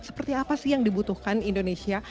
seperti apa sih yang dibutuhkan indonesia